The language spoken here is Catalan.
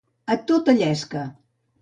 A tota llesca.